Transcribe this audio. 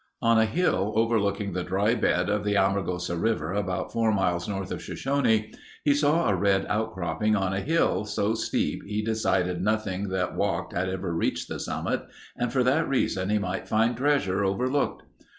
On a hill overlooking the dry bed of the Amargosa River about four miles north of Shoshone, he saw a red outcropping on a hill so steep he decided nothing that walked had ever reached the summit, and for that reason he might find treasure overlooked.